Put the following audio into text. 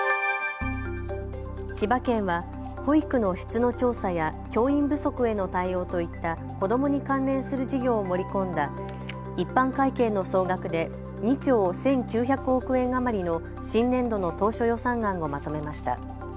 千葉県は保育の質の調査や教員不足への対応といった子どもに関連する事業を盛り込んだ一般会計の総額で２兆１９００億円余りの新年度の当初予算案をまとめました。